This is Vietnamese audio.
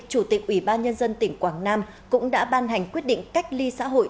chủ tịch ủy ban nhân dân tỉnh quảng nam cũng đã ban hành quyết định cách ly xã hội